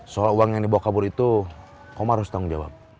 soal uang yang dibawa kabur itu komar harus tanggung jawab